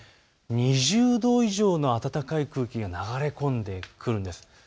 ２０度以上の暖かい空気が流れ込んでくるんです。